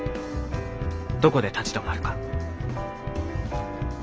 どこで立ち止まるか。